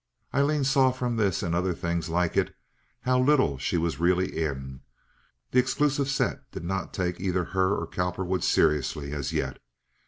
Aileen saw from this and other things like it how little she was really "in." The exclusive set did not take either her or Cowperwood seriously as yet.